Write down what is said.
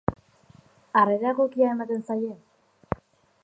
Harrera egokia ematen zaie?